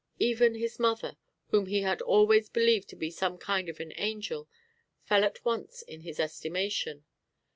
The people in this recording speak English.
Even his mother, whom he had always believed to be some kind of an angel, fell at once in his estimation.